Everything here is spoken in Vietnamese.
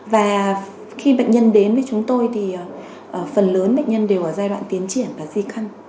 và khi bệnh nhân đến với chúng tôi thì phần lớn bệnh nhân đều ở giai đoạn tiến triển và di căn